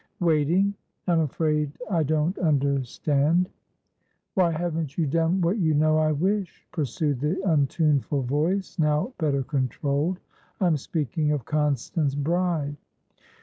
"Waiting? I'm afraid I don't understand" "Why haven't you done what you know I wish?" pursued the untuneful voice, now better controlled. "I'm speaking of Constance Bride."